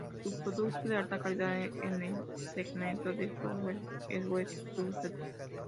Su producto de alta calidad en el segmento de software es Web to date.